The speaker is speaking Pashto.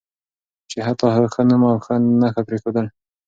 چې حتی ښه نوم او ښه نښه پرېښودل